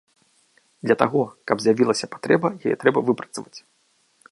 Для таго, каб з'явілася патрэба, яе трэба выпрацаваць.